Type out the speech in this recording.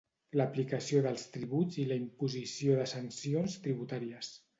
L'aplicació dels tributs i la imposició de sancions tributàries.